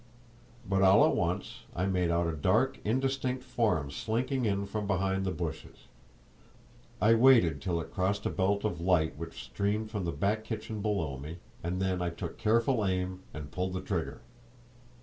But all at once I made out a dark, indistinct form slinking in from behind the bushes. I waited till it crossed a belt of light which streamed from the back kitchen below me, and then I took careful aim and pulled the trigger.